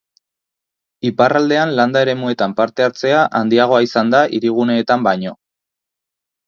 Iparraldean landa-eremuetan parte-hartzea handiagoa izan da hiriguneetan baino.